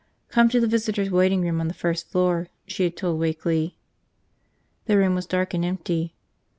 Come to the visitors' waiting room on the first floor, she had told Wakeley. The room was dark and empty.